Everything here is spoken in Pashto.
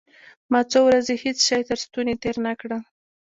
ما څو ورځې هېڅ شى تر ستوني تېر نه کړل.